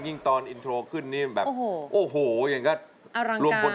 ยิ่งตอนอินโทรขึ้นนี่โอโหโหยังรวมผลทานบก